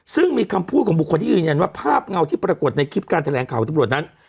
ซึ่งมีคำพูดของบุคคลที่ยืนยันว่าภาพเงาที่ปรากฏในคลิปการแถลงข่าวของตำรวจนั้น